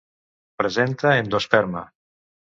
Presenta endosperma.